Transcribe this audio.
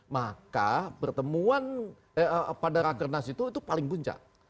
maka pertemuan pada rakyat nas itu paling bunca